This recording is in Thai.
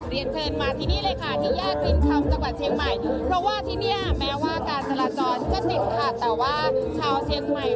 เรียนเชิญมาที่นี่เลยค่ะที่แยกลินคัมจังหวัดเชียงใหม่